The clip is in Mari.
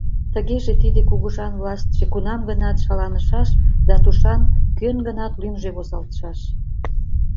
Тыгеже тиде кугыжан властьше кунам-гынат шаланышаш да тушан кӧн-гынат лӱмжӧ возалтшаш.